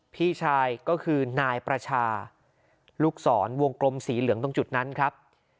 พี่ชายก็คือนายประชาลูกศรวงกลมสีเหลืองตรงจุดนั้นครับ